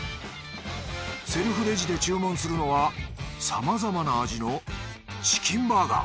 セルフレジで注文するのはさまざまな味のチキンバーガー。